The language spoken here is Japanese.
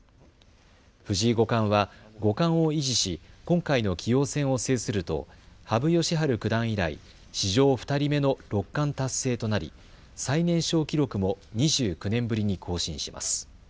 藤井五冠は五冠を維持し今回の棋王戦を制すると羽生善治九段以来、史上２人目の六冠達成となり最年少記録も２９年ぶりに更新します。